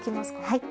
はい。